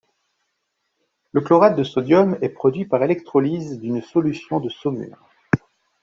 Le chlorate de sodium est produit par électrolyse d'une solution de saumure.